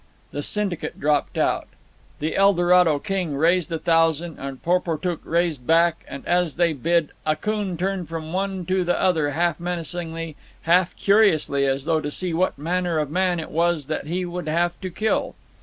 The syndicate dropped out. The Eldorado king raised a thousand, and Porportuk raised back; and as they bid, Akoon turned from one to the other, half menacingly, half curiously, as though to see what manner of man it was that he would have to kill.